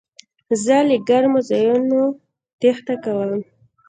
زه له ګرمو ځایونو تېښته کوم.